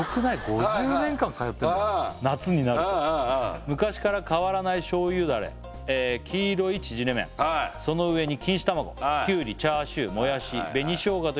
５０年間通ってるんだ夏になると「昔から変わらない醤油ダレ」「黄色い縮れ麺その上に錦糸卵」「きゅうりチャーシューもやし紅しょうがといった」